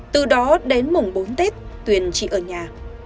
từ đó đến mùng bốn tết tuyền chị ở nhà